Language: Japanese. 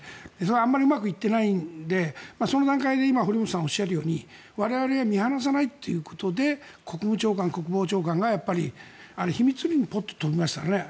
あんまりうまくいっていないのでその段階で今、堀本さんがおっしゃるように我々は見放さないということで国務長官、国防長官が。あれ、秘密裏にポッと飛びましたね。